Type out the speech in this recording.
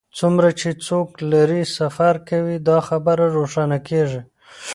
څومره چې څوک لرې سفر کوي دا خبره روښانه کیږي